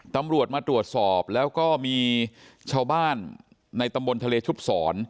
ตำรวจมาตรวจสอบแล้วก็มีชาวบ้านในตำบลทะเลชุบศร